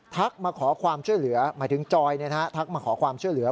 มาขอความช่วยเหลือหมายถึงจอยทักมาขอความช่วยเหลือ